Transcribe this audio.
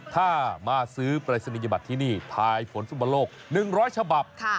ถ้ามาซื้อปรายศนียบัตรที่นี่ภายผลฟุตบอลโลก๑๐๐ฉบับ